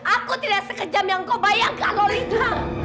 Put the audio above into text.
aku tidak sekejam yang kau bayangkan lolita